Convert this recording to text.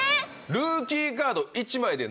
ルーキーカード１枚で７００万。